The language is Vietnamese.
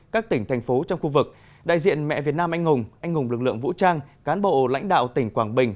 các tỉnh thành phố trong khu vực đại diện mẹ việt nam anh hùng anh hùng lực lượng vũ trang cán bộ lãnh đạo tỉnh quảng bình